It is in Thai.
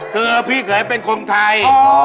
คือพี่เขยเป็นคนไทย